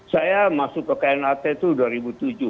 saya masuk ke knat itu dua ribu tujuh